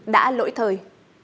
đã lỗi thời